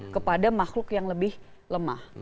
kepada makhluk yang lebih lemah